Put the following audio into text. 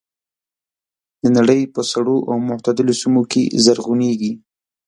د نړۍ په سړو او معتدلو سیمو کې زرغونېږي.